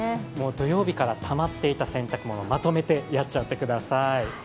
土曜日からたまっていた洗濯物まとめてやっちゃってください。